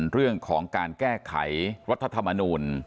เรื่องของการแก้ไขรัฐธรรมนูล